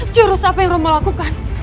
curus apa yang romo lakukan